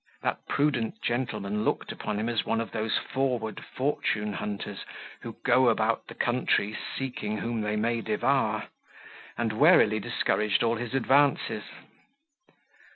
That prudent gentleman looked upon him as one of those forward fortune hunters who go about the country seeking whom they may devour, and warily discouraged all his advances.